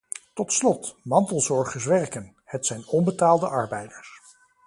Tot slot, mantelzorgers werken: het zijn onbetaalde arbeiders.